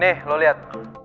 nih lu liat